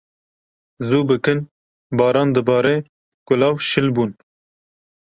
Zû bikin baran dibare, kulav şil bûn.